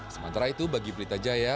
sementara itu bagi blitajaya